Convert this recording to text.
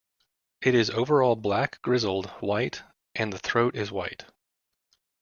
It is overall black grizzled white, and the throat is white.